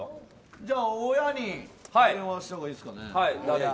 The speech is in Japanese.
じゃあ親に電話してもいいですかね。